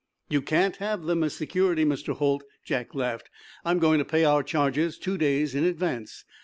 "You can't have them as security, Mr. Holt," Jack laughed. "I'm going to pay our charges two days in advance.